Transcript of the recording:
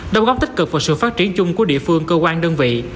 đồng góp tích cực vào sự phát triển chung của địa phương cơ quan đơn vị